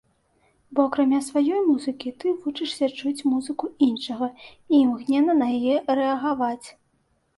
Бо акрамя сваёй музыкі, ты вучышся чуць музыку іншага і імгненна на яе рэагаваць.